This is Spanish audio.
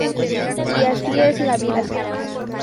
Y así es la vida.